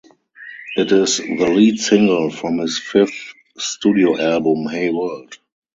It is the lead single from his fifth studio album "Hey World".